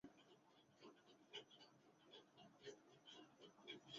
পে-মা-'ফ্রিন-লাস নামক চতুর্থ র্দো-র্জে-ব্রাগ-রিগ-'দ্জিন-ছেন-পো এই বিহারের আয়তন বৃদ্ধি করেন।